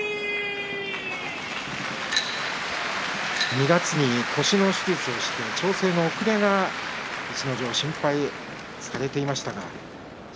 ２月に腰の手術をして調整の遅れが心配されていた逸ノ城です。